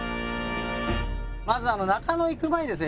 まず中野行く前にですね